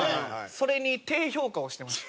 それに「低評価」押してました。